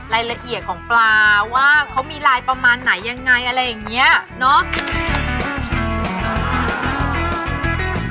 รายละเอียดของปลาว่าเขามีลายประมาณไหนยังไงอะไรอย่างเงี้ยเนาะ